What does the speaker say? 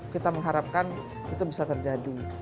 kita mengharapkan itu bisa terjadi